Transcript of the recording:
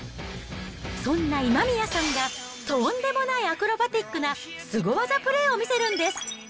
そんな今宮さんがとんでもないアクロバティックなスゴ技プレーを見せるんです。